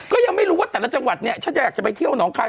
ก็ยังไม่รู้ว่าแต่ละจังหวัดเนี่ยฉันจะอยากจะไปเที่ยวหนองคาย